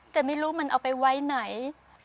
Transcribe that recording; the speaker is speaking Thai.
แต่ไม่รู้มันเอาไปไว้ไหน